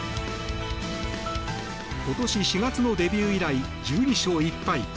今年４月のデビュー以来１２勝１敗。